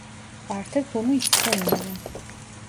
Artık bunu istemiyorum.